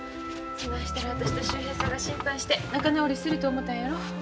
そないしたら私と秀平さんが心配して仲直りすると思たんやろ。